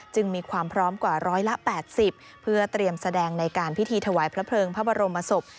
มีความพร้อมกว่าร้อยละ๘๐เพื่อเตรียมแสดงในการพิธีถวายพระเพลิงพระบรมศพ